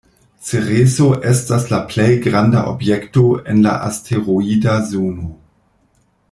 Cereso estas la plej granda objekto en la asteroida zono.